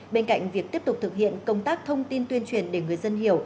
bên cạnh việc tiếp tục thực hiện công tác thông tin tuyên truyền để người dân hiểu